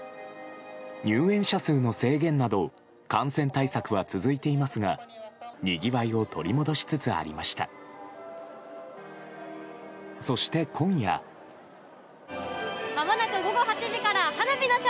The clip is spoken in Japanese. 入園者数の制限など感染対策は続いていますがにぎわいを取り戻しつつありました。